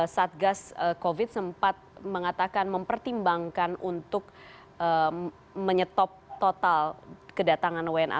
satgas covid sempat mengatakan mempertimbangkan untuk menyetop total kedatangan wna